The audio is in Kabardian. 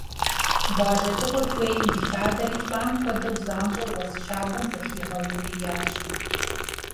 Бажэ цӀыкӀур хуейм илъадэри, лӀам хуэдэу, занщӀэу уэс щабэм зыхигъэукӀуриящ.